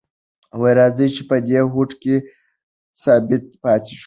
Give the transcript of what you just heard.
راځئ چې په دې هوډ کې ثابت پاتې شو.